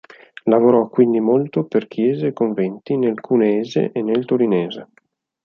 Lavorò quindi molto per chiese e conventi nel cuneese e nel torinese.